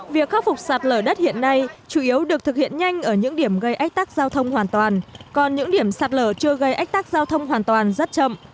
việc khắc phục sạt lở đất hiện nay chủ yếu được thực hiện nhanh ở những điểm gây ách tắc giao thông hoàn toàn còn những điểm sạt lở chưa gây ách tắc giao thông hoàn toàn rất chậm